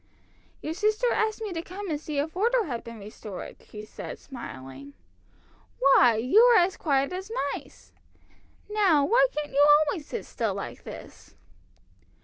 "Your sister asked me to come and see if order had been restored," she said, smiling. "Why, you are as quiet as mice! Now, why can't you always sit still like this?"